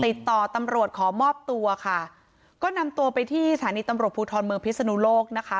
ติดต่อตำรวจขอมอบตัวค่ะก็นำตัวไปที่สถานีตำรวจภูทรเมืองพิศนุโลกนะคะ